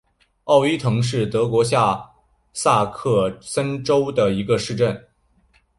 奥伊滕是德国下萨克森州的一个市镇。